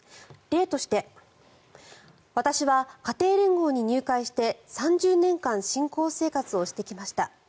例として私は家庭連合に入会して３０年間信仰生活をしてきました